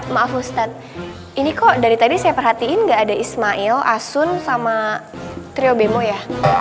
maaf ustadz ini kok dari tadi saya perhatiin nggak ada ismail asun sama trio bemo ya